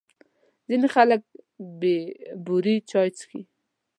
ځینې خلک بې بوري چای څښي.